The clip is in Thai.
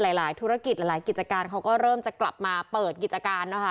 หลายธุรกิจหลายกิจการเขาก็เริ่มจะกลับมาเปิดกิจการนะคะ